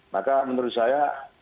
maka menurut saya